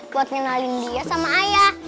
buat nyenalin dia sama ayah